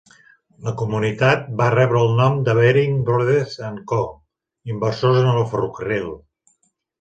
La comunitat va rebre el nom de Baring Brothers and Co, inversors en el ferrocarril.